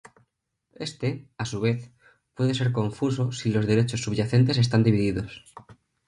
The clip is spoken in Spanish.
Este, a su vez, puede ser confuso si los derechos subyacentes están divididos.